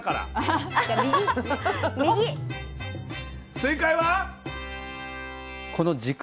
正解は？